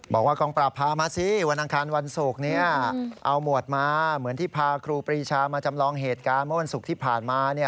บอกว่ากองปราบพามาสิวันอังคารวันศุกร์เอาหมวดมาเหมือนที่พาครูปรีชามาจำลองเหตุการณ์เมื่อวันศุกร์ที่ผ่านมา